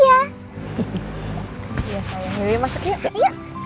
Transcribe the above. iya sayang jadi masuk yuk